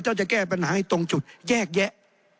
จะแก้ปัญหาให้ตรงจุดแยกแยะ